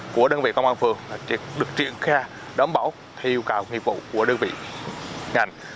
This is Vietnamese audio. của đơn vị công an phường được triển khai đảm bảo theo yêu cầu nghiệp vụ của đơn vị ngành